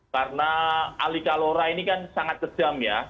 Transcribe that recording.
karena ali kalora ini kan sangat kejam ya